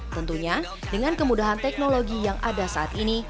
tentunya dengan kemudahan teknologi yang ada saat ini